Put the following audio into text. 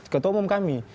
ketua umum kami